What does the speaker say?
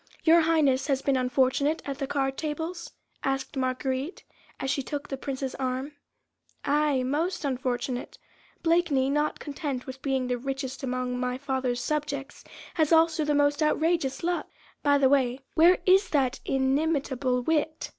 "Your Highness has been unfortunate at the card tables?" asked Marguerite, as she took the Prince's arm. "Aye! most unfortunate. Blakeney, not content with being the richest among my father's subjects, has also the most outrageous luck. By the way, where is that inimitable wit?